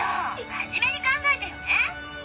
真面目に考えてよね！